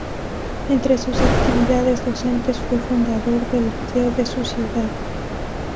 Entre sus actividades docentes fue fundador del liceo de su ciudad.